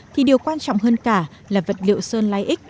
thì điều quan trọng hơn cả là vật liệu sơn lai ích